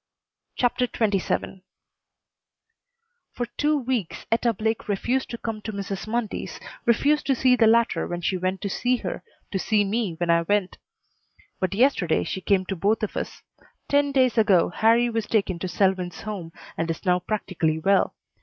CHAPTER XXVII For two weeks Etta Blake refused to come to Mrs. Mundy's, refused to see the latter when she went to see her, to see me when I went; but yesterday she came to both of us. Ten days ago Harrie was taken to Selwyn's home and is now practically well.